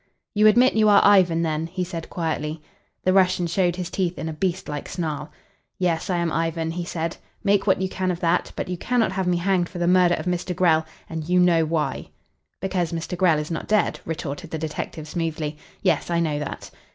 "You admit you are Ivan, then?" he said quietly. The Russian showed his teeth in a beast like snarl. "Yes, I am Ivan," he said. "Make what you can of that, but you cannot have me hanged for the murder of Mr. Grell and you know why." "Because Mr. Grell is not dead," retorted the detective smoothly. "Yes, I know that."